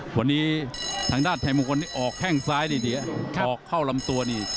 วันนี้ทางด้านไทยมงคลนี้ออกแข้งซ้ายดีออกเข้าลำตัวนี่